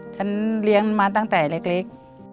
ฉันเลี้ยงมาตั้งแต่เล็ก